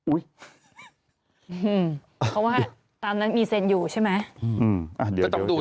อุ๊ยเค้าว่าตามนั่นมีเซ็นต์อยู่ใช่ไหมอืออ่าเดี๋ยวต้องดู